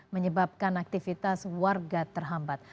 menyebabkan aktivitas warga terhambat